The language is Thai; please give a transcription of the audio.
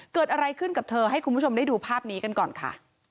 เกิดอะไรขึ้นกับเธอให้คุณผู้ชมได้ดูภาพนี้กันก่อนค่ะ